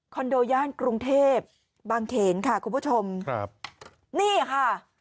โดย่านกรุงเทพบางเขนค่ะคุณผู้ชมครับนี่ค่ะ